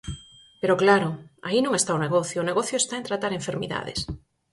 Pero, claro, aí non está o negocio, o negocio está en tratar enfermidades.